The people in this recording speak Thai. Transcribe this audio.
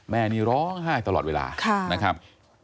แม่นี่ร้องไห้ตลอดเวลานะครับ